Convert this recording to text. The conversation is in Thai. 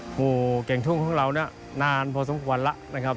โอ้โหแก่งทุ่งของเราเนี่ยนานพอสมควรแล้วนะครับ